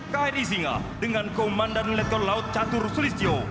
kri singa dengan komandan letkol laut catur sulistyo